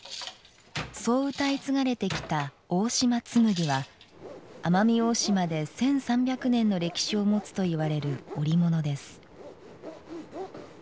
そううたい継がれてきた大島紬は、奄美大島で１３００年の歴史を持つといわれる織物です。